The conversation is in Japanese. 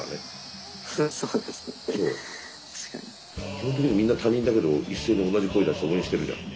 基本的にはみんな他人だけど一斉に同じ声出して応援してるじゃん。